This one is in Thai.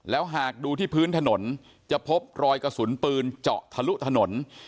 แล้วหากดูที่พื้นถนนจะพบรอยกระสุนปืนเจาะทะลุถนน